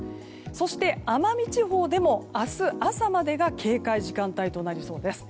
そして奄美地方でも明日朝までが警戒時間帯となりそうです。